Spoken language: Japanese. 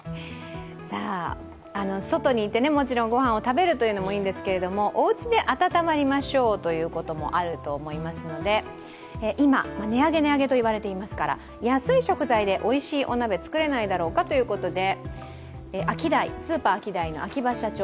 外にいてもちろんご飯を食べるというのもいいんですけれども、おうちで温まりましょうということもあると思いますので今、値上げ値上げといわれていますから、安い食材おいしいお鍋を作れないかということで。